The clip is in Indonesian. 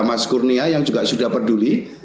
mas kurnia yang juga sudah peduli